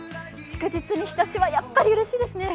祝日に日ざしはやっぱりうれしいですね。